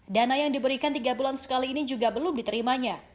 dana yang diberikan tiga bulan sekali ini juga belum diterimanya